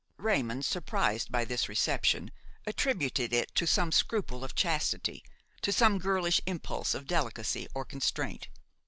Raymon, surprised by this reception, attributed it to some scruple of chastity, to some girlish impulse of delicacy or constraint.